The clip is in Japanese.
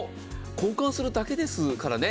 交換するだけですからね。